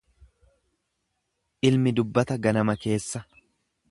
Ilmi dubbata ganama keessa.